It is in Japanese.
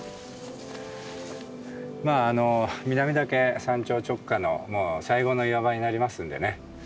まああの南岳山頂直下のもう最後の岩場になりますんでね。